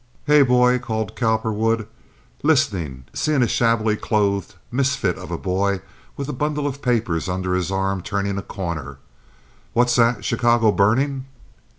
"Hey, boy," called Cowperwood, listening, seeing a shabbily clothed misfit of a boy with a bundle of papers under his arm turning a corner. "What's that? Chicago burning!"